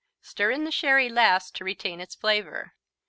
Stir in sherry last to retain its flavor.